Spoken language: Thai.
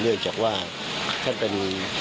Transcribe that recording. เนื่องจากว่าท่านเป็น